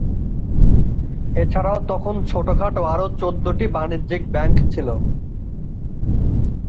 এছাড়াও তখন ছোটখাটো আরও চৌদ্দটি বাণিজ্যিক ব্যাংক ছিল।